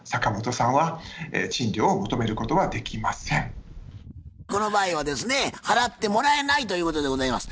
したがって今回はこの場合はですね払ってもらえないということでございます。